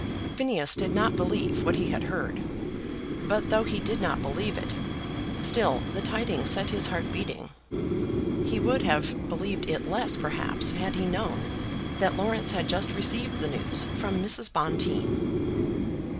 Phineas did not believe what he had heard, but though he did not believe it, still the tidings set his heart beating. He would have believed it less perhaps had he known that Laurence had just received the news from Mrs. Bonteen.